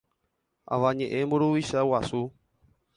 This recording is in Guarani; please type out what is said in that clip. Avañeʼẽ mburuvicha guasu.